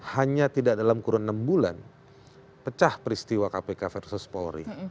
hanya tidak dalam kurun enam bulan pecah peristiwa kpk versus polri